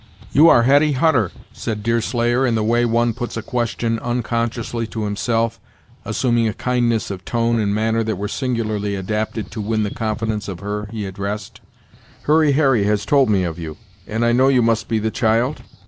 "You are Hetty Hutter," said Deerslayer, in the way one puts a question unconsciously to himself, assuming a kindness of tone and manner that were singularly adapted to win the confidence of her he addressed. "Hurry Harry has told me of you, and I know you must be the child?"